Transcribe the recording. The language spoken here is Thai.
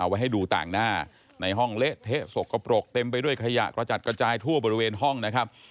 ไว้ให้ดูต่างหน้าในห้องเละเทะสกปรกเต็มไปด้วยขยะกระจัดกระจายทั่วบริเวณห้องนะครับ